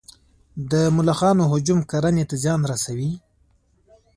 د ملخانو هجوم کرنې ته زیان رسوي؟